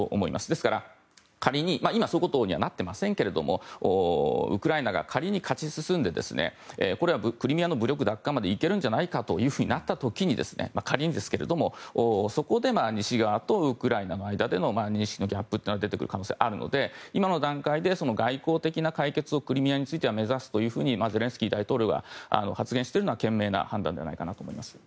ですから、仮に今そういうことにはなっていませんがウクライナが仮に勝ち進んでこれがクリミアの武力奪還までいけるんじゃないかとなった時に仮にですけれども、そこで西側とウクライナの間での認識のギャップが出てくる可能性があるので今の段階で、外交的な解決をクリミアについては目指すというふうにゼレンスキー大統領が発言しているのは賢明な判断じゃないかなと思います。